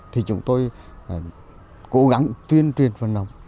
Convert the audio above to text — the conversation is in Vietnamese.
thì chúng tôi cố gắng tuyên truyền phần nồng